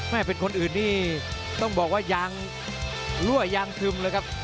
เป็นคนอื่นนี่ต้องบอกว่ายางรั่วยางทึมเลยครับ